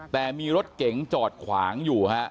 แต่มีรถเก๋งจอดขวางอยู่ฮะ